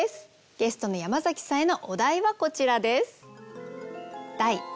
ゲストの山崎さんへのお題はこちらです。